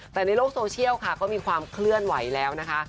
แต่ในโลกโซเชียลค่ะก็มีความเคลื่อนไหวแล้วนะคะ